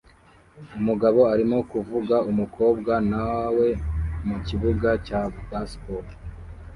Umugabo arimo kuvuga umukobwa nawe mukibuga cya baseball